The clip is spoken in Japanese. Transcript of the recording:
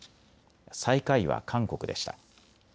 最下位は韓国でした。